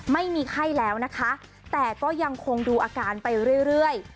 ไม่มีไข้แล้วนะคะแต่ก็ยังคงดูอาการไปเรื่อย